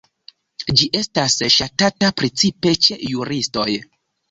Ĝi estas ŝatata precipe ĉe juristoj.